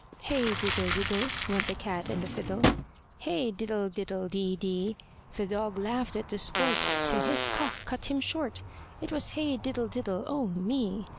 Hey, diddle, diddle! Went the cat and the fiddle, Hey diddle, diddle, dee, dee! The dog laughed at the sport Till his cough cut him short, It was hey diddle, diddle, oh me!